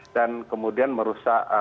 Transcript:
dan kemudian merusak